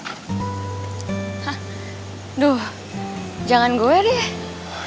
hah aduh jangan gowe deh